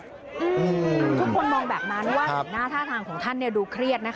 ทุกคนมองแบบนั้นว่าเห็นหน้าท่าทางของท่านดูเครียดนะคะ